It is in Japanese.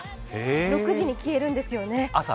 ６時に消えるんですよね。